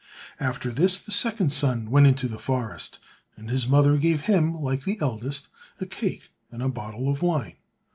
After this the second son went into the forest, and his mother gave him, like the eldest, a cake and a bottle of wine.